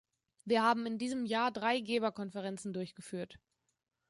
Wir haben in diesem Jahr drei Geberkonferenzen durchgeführt.